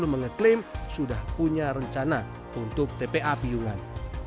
mengklaim sudah punya rencana untuk tpa piyungan